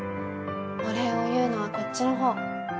お礼を言うのはこっちのほう。